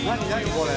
これ」